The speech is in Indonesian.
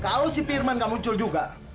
kalo si firmang gak muncul juga